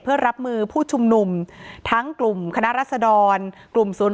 เพื่อรับมือผู้ชุมนุมทั้งกลุ่มคณะรัศดรกลุ่มศูนย์